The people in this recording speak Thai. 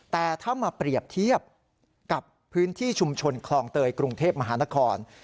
แต่ถ้ามาเปรียบเทียบกับพื้นที่ชุมชนคลองเตยกรุงเทพมหานคร